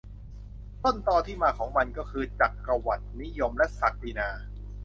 ต้นตอที่มาของมันก็คือ จักรวรรดินิยม และศักดินา